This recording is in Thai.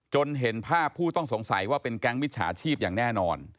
เห็นภาพผู้ต้องสงสัยว่าเป็นแก๊งมิจฉาชีพอย่างแน่นอน